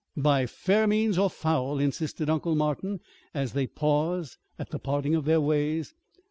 "By fair means or foul," insisted Uncle Martin as they paused at the parting of their ways.